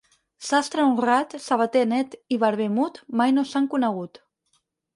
Sastre honrat, sabater net i barber mut mai no s'han conegut.